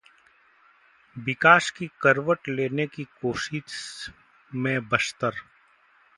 विकास की करवट लेने की कोशिश में बस्तर